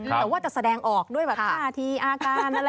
แต่ว่าจะแสดงออกด้วยแบบค่าทีอาการอะไรอย่างนี้